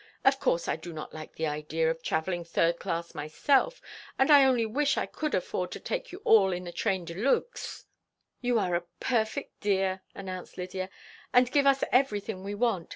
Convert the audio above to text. Of course, I do not like the idea of travelling third class myself, and I only wish I could afford to take you all in the train de luxe." "You are a perfect dear," announced Lydia, "and give us everything we want.